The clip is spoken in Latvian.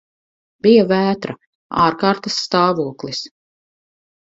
Bija vētra, ārkārtas stāvoklis.